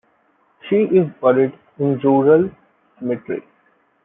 She is buried in Rural Cemetery.